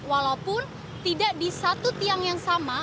walaupun tidak di satu tiang yang sama